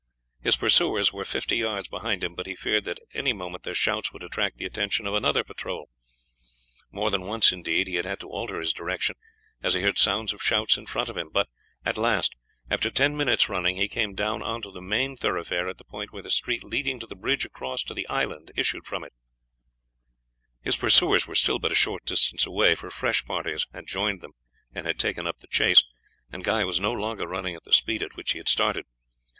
His pursuers were fifty yards behind him, but he feared that at any moment their shouts would attract the attention of another patrol. More than once, indeed, he had to alter his direction as he heard sounds of shouts in front of him, but at last, after ten minutes' running, he came down on to the main thoroughfare at the point where the street leading to the bridge across to the island issued from it. [Illustration: "GUY DELIVERED A SLASHING BLOW ON THE BUTCHER'S CHEEK, AND DASHED PAST HIM."] His pursuers were still but a short distance away, for fresh parties who had joined them had taken up the chase, and Guy was no longer running at the speed at which he had started.